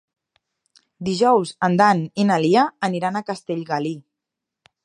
Dijous en Dan i na Lia aniran a Castellgalí.